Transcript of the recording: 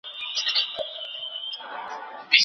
ځینې کسان له ګاز شرمېږي.